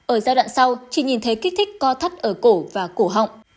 ở giai đoạn sau chị nhìn thấy kích thích co thắt ở cổ và cổ họng